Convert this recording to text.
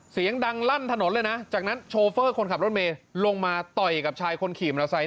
เสียงดังลั่นถนนเลยนะจากนั้นโชเฟอร์คนขับรถเมย์ลงมาต่อยกับชายคนขี่มอเตอร์ไซค